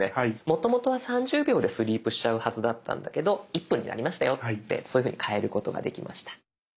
もともとは３０秒でスリープしちゃうはずだったんだけど１分になりましたよってそういうふうに変えることができました。